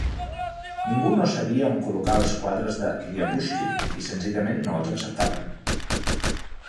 Ningú no sabia on col·locar els quadres de Ryabushkin i senzillament no els acceptaven.